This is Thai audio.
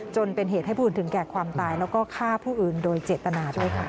จนเป็นเหตุให้ผู้อื่นถึงแก่ความตายแล้วก็ฆ่าผู้อื่นโดยเจตนาด้วยค่ะ